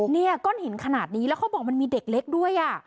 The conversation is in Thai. เนี่ยก้อนหินขนาดนี้แล้วเขาบอกมันมีเด็กเล็กด้วย